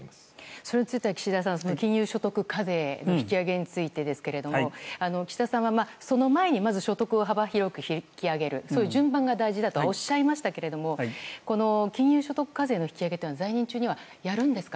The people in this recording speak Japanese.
それについては岸田さん金融所得課税の引き上げについてですが岸田さんはその前にまず所得を幅広く引き上げるという順番が大事だということですか金融所得課税の引き上げというのは在任中にはやるんですか。